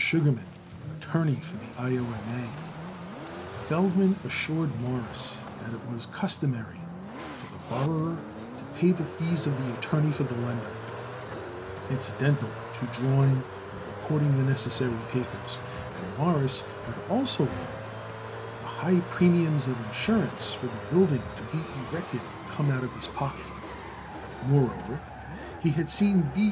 Sugarman, attorney for the I. O. M. A. Feldman assured Morris that it was customary for the borrower to pay the fees of the attorney for the lender, incidental to drawing and recording the necessary papers, and Morris had also learned that the high premiums of insurance for the building to be erected would come out of his pocket. Moreover, he had seen B.